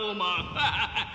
ハハハハ！